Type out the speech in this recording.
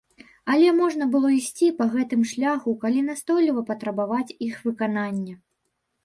Але можна было ісці па гэтым шляху, калі настойліва патрабаваць іх выканання.